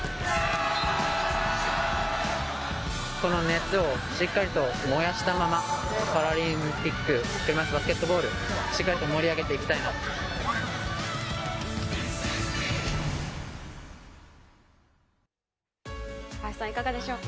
この熱をしっかりと燃やしたまま、パラリンピック車いすバスケットボールしっかりと盛り上げていきたいなと思います。